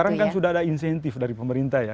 sekarang kan sudah ada insentif dari pemerintah ya